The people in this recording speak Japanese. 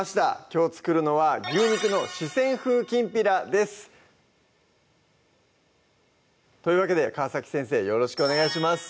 きょう作るのは「牛肉の四川風きんぴら」ですというわけで川先生よろしくお願いします